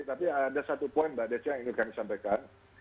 tapi ada satu poin mbak desi yang ingin kami sampaikan